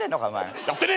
やってねえよ！